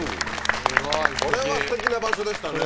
すごいこれはすてきな場所でしたね